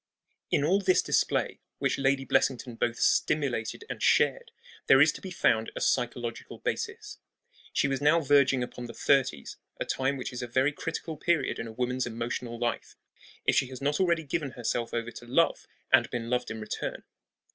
In all this display, which Lady Blessington both stimulated and shared, there is to be found a psychological basis. She was now verging upon the thirties a time which is a very critical period in a woman's emotional life, if she has not already given herself over to love and been loved in return.